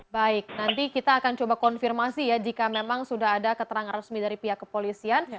baik nanti kita akan coba konfirmasi ya jika memang sudah ada keterangan resmi dari pihak kepolisian